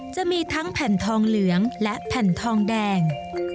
จะมีทั้งแผ่นทองเหลืองและแผ่นทองแดง